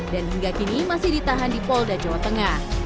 dan hingga kini masih ditahan di polda jawa tengah